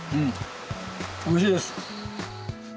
おいしいです。